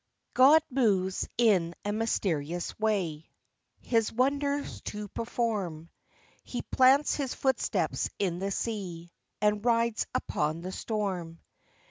"God moves in a mysterious way, His wonders to perform; He plants His footsteps in the sea, And rides upon the storm.